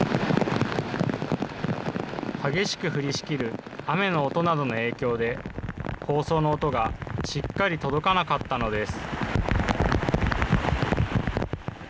激しく降りしきる雨の音などの影響で、放送の音がしっかり届かなかったのです。